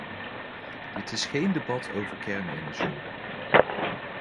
Dit is geen debat over kernenergie.